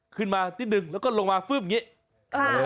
ขึ้นมานิดนึงแล้วก็ลงมาฟืบอย่างนี้